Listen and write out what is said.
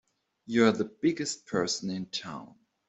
You're the biggest person in town!